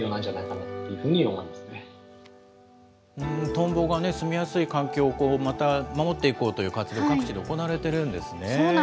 トンボが住みやすい環境をまた守っていこうという活動、各地そうなんですよ。